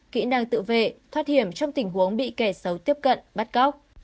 kỹ năng tự vệ thoát hiểm trong tình huống bị kẻ xấu tiếp cận bắt cóc